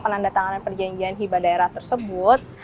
penandatangan perjanjian hiba daerah tersebut